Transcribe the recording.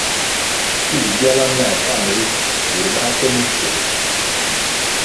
Pil byala mua panʼ ri, burʼ bā ke mimpfū.